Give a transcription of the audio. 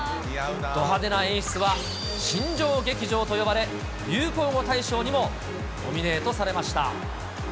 ど派手な演出は新庄劇場と呼ばれ、流行語大賞にもノミネートされました。